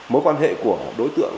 mối quan hệ của đối tượng